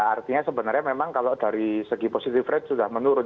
artinya sebenarnya memang kalau dari segi positive rate sudah menurun